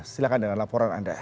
silahkan dengan laporan anda